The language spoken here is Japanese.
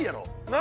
何？